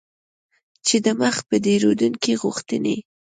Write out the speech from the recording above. چې د مخ په ډیریدونکي غوښتنې